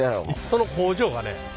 その工場がね